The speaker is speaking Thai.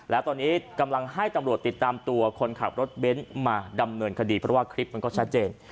แล้วตอนนี้กำลังให้ตำรวจติดตามตัวคนขับรถเบ้นมาดำเนินคดีเพราะว่าคลิปมันก็ชัดเจน